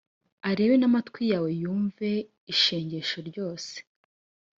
arebe n amatwi yawe yumve ishengesho ryose